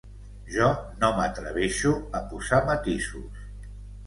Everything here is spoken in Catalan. Jo no m’atreveixo a posar matisos.